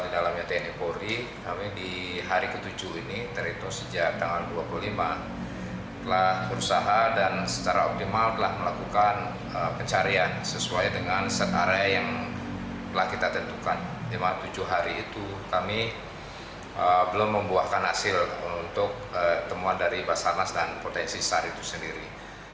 di maju tujuh hari itu kami belum membuahkan hasil untuk ketemuan dari basarnas dan potensi sah itu sendiri